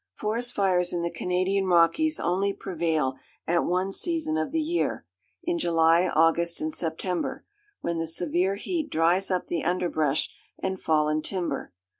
Forest fires in the Canadian Rockies only prevail at one season of the year—in July, August, and September,—when the severe heat dries up the underbrush and fallen timber.